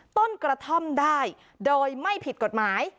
ต้นกระท่อมได้โดยไม่ผิดกฎหมาย